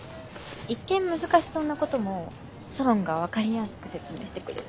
一見難しそうなこともソロンが分かりやすく説明してくれるし。